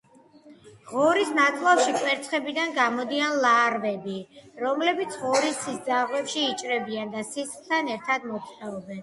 ღორის ნაწლავში კვერცხებიდან გამოდიან ლარვები, რომლებიც ღორის სისხლძარღვებში იჭრებიან და სისხლთან ერთად მოძრაობენ.